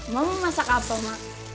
mak mau masak apa mak